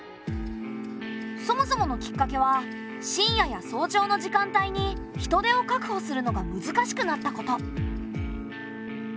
そもそものきっかけは深夜や早朝の時間帯に人手を確保するのが難しくなったこと。